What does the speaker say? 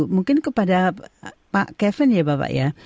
mungkin kepada pak kevin ya bapak ya